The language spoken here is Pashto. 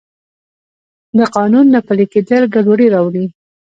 د قانون نه پلی کیدل ګډوډي راوړي.